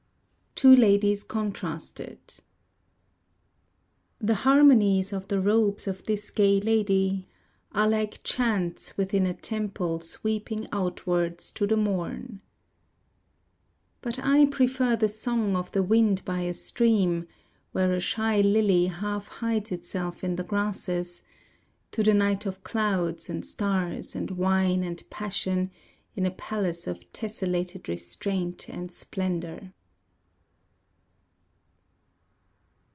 Two Ladies Contrasted The harmonies of the robes of this gay lady Are like chants within a temple sweeping outwards To the morn. But I prefer the song of the wind by a stream Where a shy lily half hides itself in the grasses; To the night of clouds and stars and wine and passion, In a palace of tesselated restraint and splendor.